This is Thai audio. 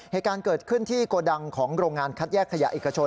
เหตุการณ์เกิดขึ้นที่โกดังของโรงงานคัดแยกขยะเอกชน